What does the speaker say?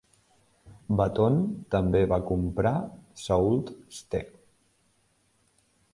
Baton també va comprar Sault Ste.